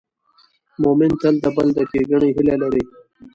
مؤمن تل د بل د ښېګڼې هیله لري.